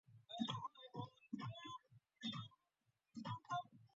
"Stylus" magazine described the video as "sublimely bizarre".